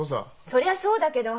そりゃそうだけど。